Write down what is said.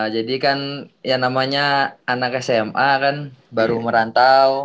jadi kan yang namanya anak sma kan baru merantau